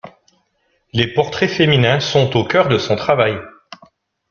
Les portraits féminins sont au cœur de son travail.